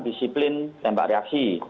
disiplin tembak reaksi